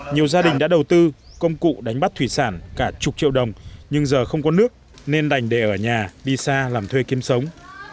nhiều gia đình đã đầu tư công cụ đánh bắt thủy sản cả chục triệu đồng nhưng giờ không có nước nên đành để ở nhà đi xa làm thuê kiếm sống